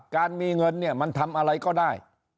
การมีเงินเนี่ยมันทำอะไรก็ได้